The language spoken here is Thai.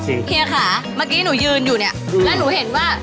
เมื่อกี้หนูยืนแล้วเห็นว่า